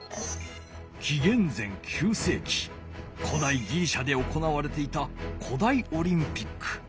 きげん前９せいき古代ギリシャで行われていた古代オリンピック。